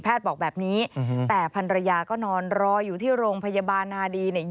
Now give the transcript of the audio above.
บอกแบบนี้แต่พันรยาก็นอนรออยู่ที่โรงพยาบาลนาดีเนี่ย